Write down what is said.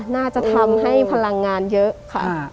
น่าจะทำให้พลังงานเยอะค่ะ